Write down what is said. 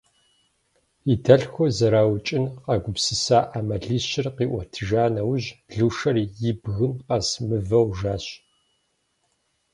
И дэлъхур зэраукӏыну къагупсыса ӏэмалищыр къиӏуэтэжа нэужь, Лушэр и бгым къэс мывэу жащ.